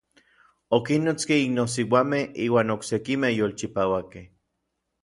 Okinnotski iknosiuamej iuan oksekimej yolchipauakej.